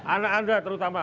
anak anda terutama